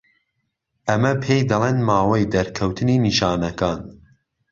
ئەمە پێی دەڵێن ماوەی دەرکەوتنی نیشانەکان.